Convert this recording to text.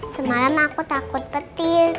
semalam aku takut petir